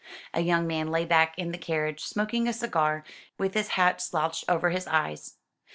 A young man lay back in the carriage, smoking a cigar, with his hat slouched over his eyes.